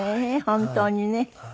本当にね。